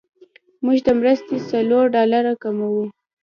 موږ د مرستې څلور ډالره کموو.